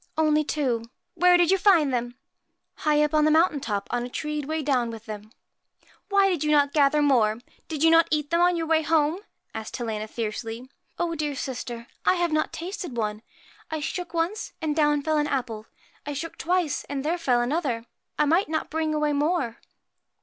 ' Only two.' 'Where did you find them?' ' High up, on the mountain top, on a tree weighed down with them.' ' Why did you not gather more ? Did you not eat them on your way home ?' asked Helena, fiercely. ' Oh, dear sister, I have not tasted one ! I shook once, and down fell an apple ; I shook twice, and there fell another. I might not bring away more.'